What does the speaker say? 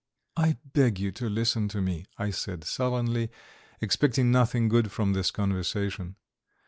"I beg you to listen to me," I said sullenly, expecting nothing good from this conversation.